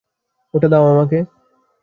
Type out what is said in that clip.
ওটা দাও আমাকে।